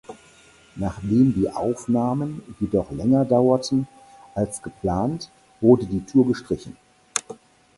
Nachdem die Aufnahmen jedoch länger dauerten als geplant, wurde die Tour gestrichen.